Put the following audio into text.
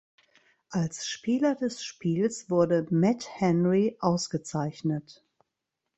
Als Spieler des Spiels wurde Matt Henry ausgezeichnet.